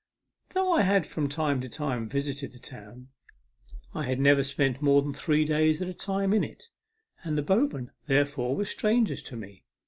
Though I had from time to time visited the town, I had never spent more than three days at a time in it; and the boatmen, therefore, were strangers to rne.